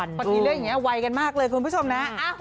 ที่เลขวัยนัมเบอร์วัน